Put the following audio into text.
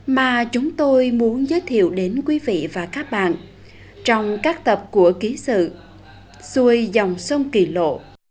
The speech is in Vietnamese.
mà chúng tôi muốn giới thiệu đến quý vị và các bạn trong các tập của ký sự xuôi dòng sông kỳ lộ